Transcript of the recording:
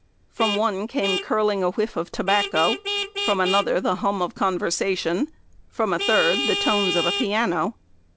From one came curling a whiff of tobacco; from another the hum of conversation; from a third the tones of a piano.